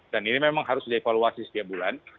dan ini memang harus dievaluasi setiap bulan